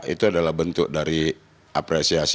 itu adalah bentuk dari apresiasi